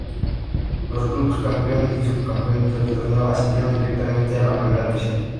Los clubes campeón y subcampeón del torneo ascendieron directamente a la Primera División.